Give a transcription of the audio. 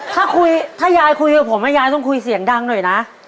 ถ้าคุยถ้ายายคุยกับผมยายต้องคุยเสียงดังหน่อยนะ